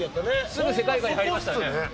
すぐ世界観に入れましたね。